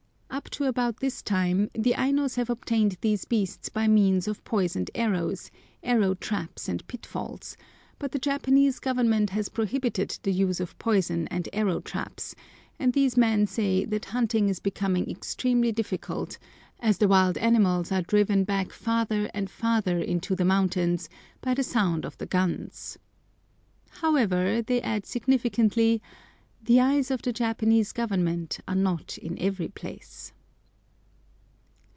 Up to about this time the Ainos have obtained these beasts by means of poisoned arrows, arrow traps, and pitfalls, but the Japanese Government has prohibited the use of poison and arrow traps, and these men say that hunting is becoming extremely difficult, as the wild animals are driven back farther and farther into the mountains by the sound of the guns. However, they add significantly, "the eyes of the Japanese Government are not in every place!"